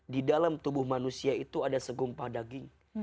di dalam tubuh manusia itu ada segumpah daging